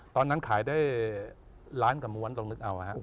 ตอนนั้นขายได้ล้านกว่าหมวนต้องนึกเอาครับ